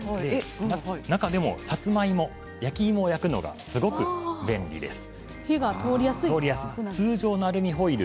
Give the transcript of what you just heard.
中でもさつまいも焼き芋を焼くのがすごく便利です。